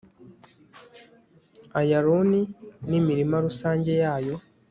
ayaloni n'imirima rusange yayo